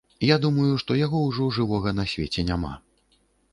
Я думаю, што яго ўжо жывога на свеце няма.